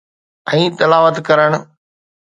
۽ تلاوت ڪرڻ.